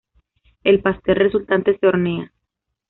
El pastel resultante se hornea.